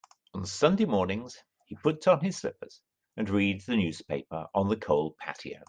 On Sunday mornings, he puts on his slippers and reads the newspaper on the cold patio.